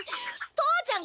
父ちゃん！